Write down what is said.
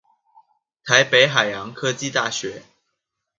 台北海洋科技大學